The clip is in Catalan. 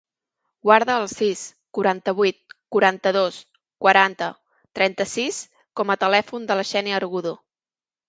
Guarda el sis, quaranta-vuit, quaranta-dos, quaranta, trenta-sis com a telèfon de la Xènia Argudo.